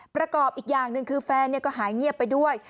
ประกอบอีกอย่างหนึ่งคือแฟนก็หายเงียบไปด้วย